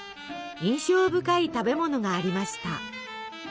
印象深い食べ物がありました。